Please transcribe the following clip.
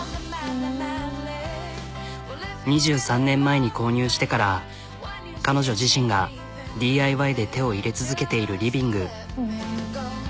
２３年前に購入してから彼女自身がＤＩＹで手を入れ続けているリビング。